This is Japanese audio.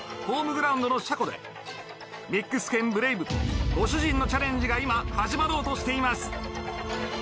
ホームグラウンドの車庫でミックス犬ブレイブとご主人のチャレンジが今始まろうとしています。